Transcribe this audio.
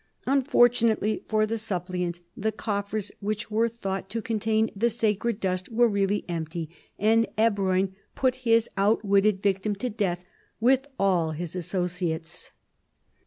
Unfortunately for the suppliant the coffers, which were thought to contain the sacred dust, were really empty, and Ebroin put his out witted victim to death with all his associates.